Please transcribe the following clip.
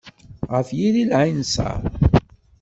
Ɣef yiri n lɛinṣer.